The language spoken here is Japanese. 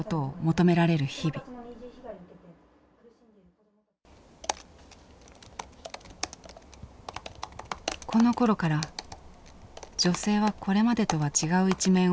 このころから女性はこれまでとは違う一面を見せるようになりました。